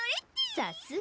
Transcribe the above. さすが。